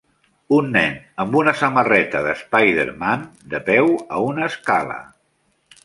Un nen amb una samarreta d'Spider-Man de peu a una escala.